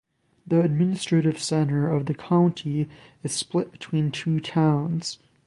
The administrative centre of the county is split between two towns.